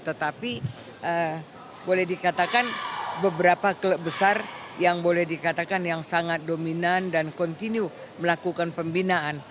tetapi boleh dikatakan beberapa klub besar yang boleh dikatakan yang sangat dominan dan continue melakukan pembinaan